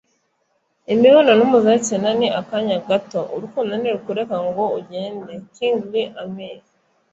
imibonano mpuzabitsina ni akanya gato, urukundo ntirukureka ngo ugende - kingley amis